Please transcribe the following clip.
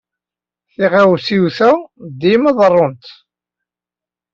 Tiɣawisiwn-a dima ḍerrunt-d.